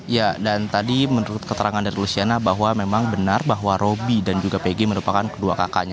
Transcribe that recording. ya dan tadi menurut keterangan dari luciana bahwa memang benar bahwa roby dan juga pg merupakan kedua kakaknya